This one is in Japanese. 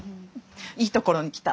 いいところに来た。